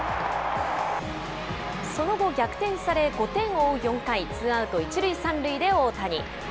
その後、逆転され、５点を追う４回、ツーアウト１塁３塁で大谷。